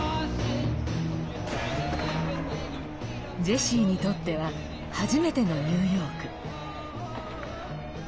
ジェシーにとっては初めてのニューヨーク。